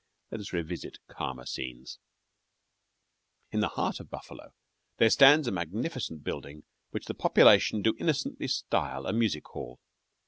Let us revisit calmer scenes. In the heart of Buffalo there stands a magnificent building which the population do innocently style a music hall.